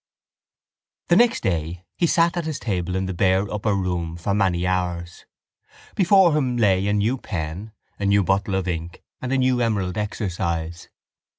The next day he sat at his table in the bare upper room for many hours. Before him lay a new pen, a new bottle of ink and a new emerald exercise.